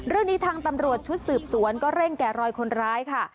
เรื่องนี้ทางตำรวจชุดสืบสวนก็เร่งแก่รอยคนร้ายค่ะ